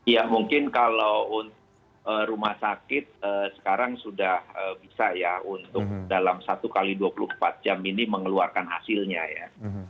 ya mungkin kalau rumah sakit sekarang sudah bisa ya untuk dalam satu x dua puluh empat jam ini mengeluarkan hasilnya ya